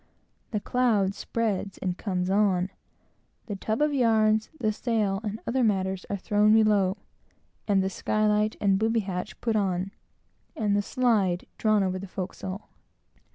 The cloud spreads and comes on; the tub of yarns, the sail, and other matters, are thrown below, and the sky light and booby hatch put on, and the slide drawn over the forecastle.